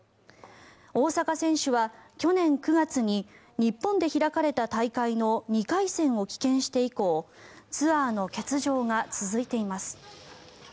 大坂選手は去年９月に日本で開かれた大会の２回戦を棄権して以降ツアーの欠場が続いています。